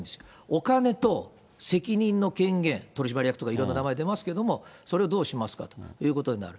お金と責任の権限、取締役とか、いろんな名前出ますけれども、それをどうしますかということになる。